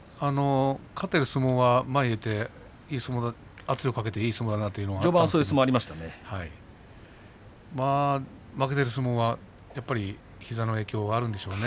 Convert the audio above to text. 勝っている相撲は前に出て、いい相撲を圧力をかけていますが負けている相撲は、やはり膝の影響があるんでしょうね。